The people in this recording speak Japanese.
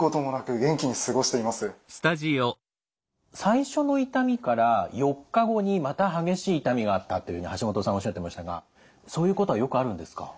最初の痛みから４日後にまた激しい痛みがあったというふうにハシモトさんおっしゃっていましたがそういうことはよくあるんですか？